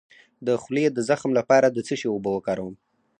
د خولې د زخم لپاره د څه شي اوبه وکاروم؟